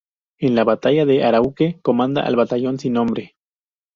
En la batalla de Araure comanda al batallón sin nombre.